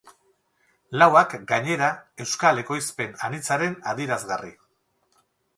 Lauak, gainera, euskal ekoizpen anitzaren adierazgarri.